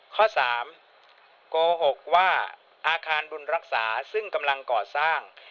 ข้อ๓โกหกว่าอาคารบุญรักษาซึ่งกำลังก่อสร้าง